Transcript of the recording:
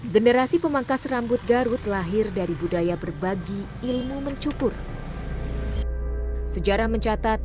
generasi pemangkas rambut garut lahir dari budaya berbagi ilmu mencukur sejarah mencatat